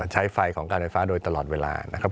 ใช้ไฟของการไฟฟ้าโดยตลอดเวลานะครับ